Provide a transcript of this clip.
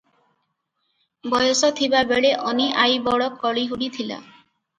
ବୟସ ଥିବାବେଳେ ଅନୀ ଆଈ ବଡ କଳିହୁଡ଼ି ଥିଲା ।